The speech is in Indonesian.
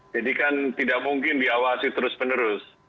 jadi kan tidak mungkin diawasi terus menerus